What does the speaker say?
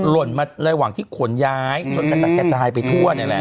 หล่นมาระหว่างที่ขนย้ายจนกระจัดกระจายไปทั่วนี่แหละ